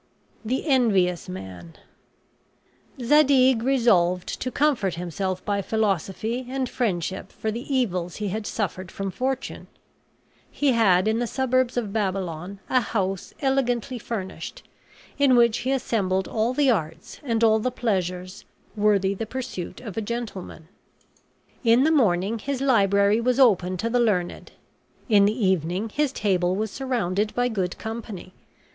THE ENVIOUS MAN Zadig resolved to comfort himself by philosophy and friendship for the evils he had suffered from fortune. He had in the suburbs of Babylon a house elegantly furnished, in which he assembled all the arts and all the pleasures worthy the pursuit of a gentleman. In the morning his library was open to the learned. In the evening his table was surrounded by good company.